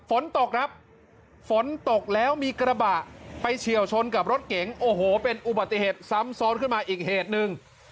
ฝนตกครับฝนตกแล้วมีกระบะไปเฉียวชนกับรถเก๋งโอ้โหเป็นอุบัติเหตุซ้ำซ้อนขึ้นมาอีกเหตุหนึ่ง